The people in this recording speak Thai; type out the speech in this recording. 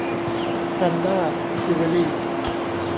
แพรนด้า จิวเวลรี่